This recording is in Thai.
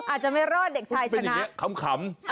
อาจจะไม่รอดเด็กชายชนะค่ะเป็นอย่างนี้ขำ